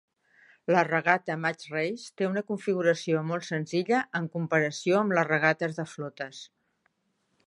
La regata Match Race té una configuració molt senzilla en comparació amb les regates de flotes.